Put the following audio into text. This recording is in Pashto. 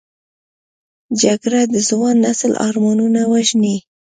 جګړه د ځوان نسل ارمانونه وژني